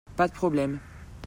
Pas de problème !